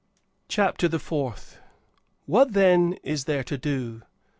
CHAPTER THE FOURTH. What, then, is there to do?